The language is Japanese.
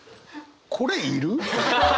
これいる？